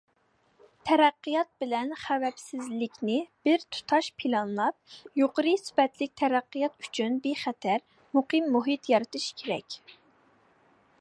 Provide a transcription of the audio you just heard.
تەرەققىيات بىلەن خەۋپسىزلىكنى بىرتۇتاش پىلانلاپ، يۇقىرى سۈپەتلىك تەرەققىيات ئۈچۈن بىخەتەر، مۇقىم مۇھىت يارىتىش كېرەك.